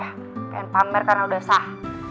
pengen pamer karena udah sah